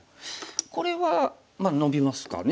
これはノビますかね